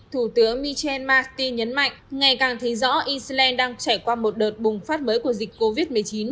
thủ tướng michel marti nhấn mạnh ngày càng thấy rõ iceland đang trải qua một đợt bùng phát mới của dịch covid